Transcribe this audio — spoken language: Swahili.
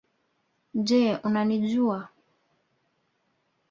Je unanijua